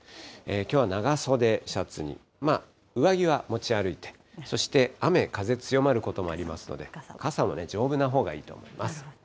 きょうは長袖シャツに上着は持ち歩いて、そして雨、風強まることもありますので、傘も丈夫なほうがいいと思います。